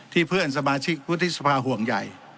เพื่อนสมาชิกวุฒิสภาห่วงใหญ่